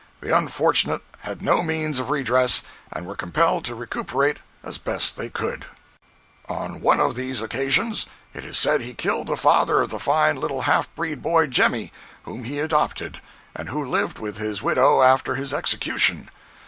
The unfortunates had no means of redress, and were compelled to recuperate as best they could." 084.jpg (67K) On one of these occasions, it is said he killed the father of the fine little half breed boy Jemmy, whom he adopted, and who lived with his widow after his execution.